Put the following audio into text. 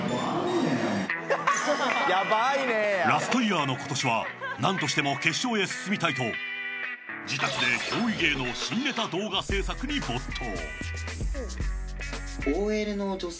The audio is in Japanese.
ラストイヤーの今年は何としても決勝に進みたいと自宅で憑依芸の新ネタ動画制作に没頭。